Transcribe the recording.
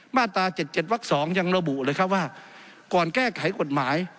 มาตราเจ็ดเจ็ดวักสองยังระบุเลยครับว่าก่อนแก้ไขกฎหมาย